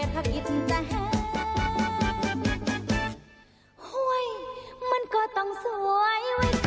จะนอกกันละครับพ่อปริ฻ุด